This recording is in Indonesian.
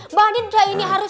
mbak andin udah ini harus